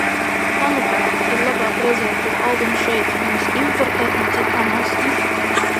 Manuprāt, ir labāk redzēt to augam šeit, nevis importēt no citām valstīm.